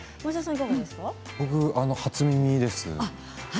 僕は初耳です。